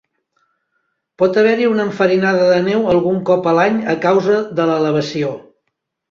Pot haver-hi una enfarinada de neu algun cop a l'any a causa de l'elevació.